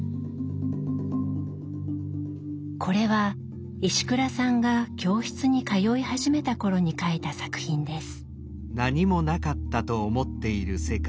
これは石倉さんが教室に通い始めた頃に描いた作品です。